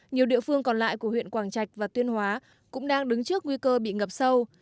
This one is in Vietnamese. nhiều địa phương còn lại của huyện quảng trạch và tuyên hóa cũng đang đứng trước nguy cơ bị ngập sâu